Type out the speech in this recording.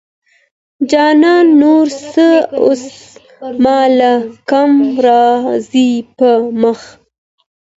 جانانه ! نور څه اوس ما لره کم راځي په مخه